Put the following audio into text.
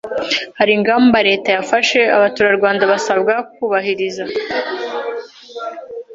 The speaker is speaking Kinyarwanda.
Hari ingamba Leta yafashe Abaturarwanda basabwa kubahiriza